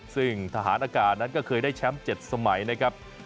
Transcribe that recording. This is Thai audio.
ซึ่งทหารอากาศนั้นก็เคยได้แชมป์๗สมัยนะครับ